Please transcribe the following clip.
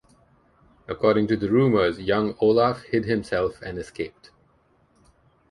According to the rumors, young Olaf hid himself and escaped.